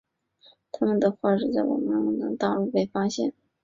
它们的化石在冈瓦纳大陆被发现。